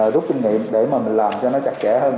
rút kinh nghiệm để mà mình làm cho nó chặt chẽ hơn